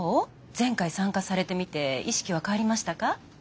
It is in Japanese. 前回参加されてみて意識は変わりましたか？